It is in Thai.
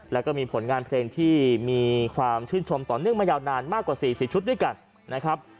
แล้วก็มีผลงานเพลงที่มีความชื่นชมต่อเนื่องมายาวนานมากกว่า๔๐ชุดด้วยกันนะครับ